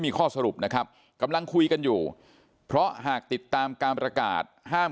มีข้อสรุปนะครับกำลังคุยกันอยู่เพราะหากติดตามการประกาศห้าม